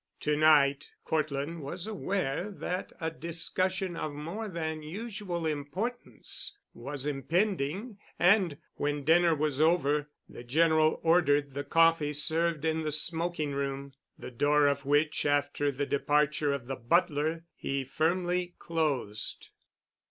To night Cortland was aware that a discussion of more than usual importance was impending, and, when dinner was over, the General ordered the coffee served in the smoking room, the door of which, after the departure of the butler, he firmly closed.